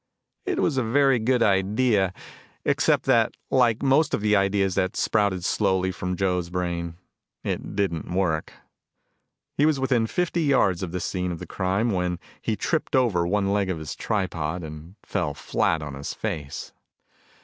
It was a very good idea except that like most of the ideas that sprouted slowly from Joe's brain, it didn't work. He was within fifteen yards of the scene of the crime when he tripped over one leg of his tripod and fell flat on his face.